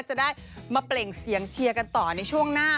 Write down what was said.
จะได้มาเปล่งเสียงเชียร์กันต่อในช่วงหน้า